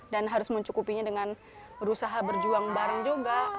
dan harus mencukupinya dengan berusaha berjuang bareng juga